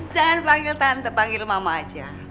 jangan panggil tante panggil mama aja